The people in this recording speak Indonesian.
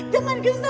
jangan ke sana den